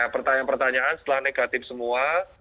pertanyaan pertanyaan setelah negatif semua